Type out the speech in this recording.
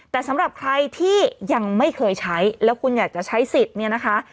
แต่สำหรับใครที่ยังไม่เคยใช้แล้วคุณอยากจะใช้สิทธิ์เนี่ยนะคะ